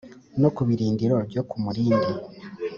no ku birindiro byo ku murindi